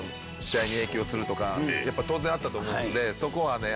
当然あったと思うのでそこはね